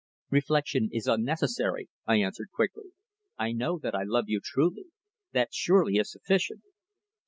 "Reflection is unnecessary," I answered quickly. "I know that I love you truly. That surely is sufficient."